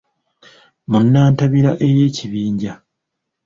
Mu nnantabira ey’ekibinja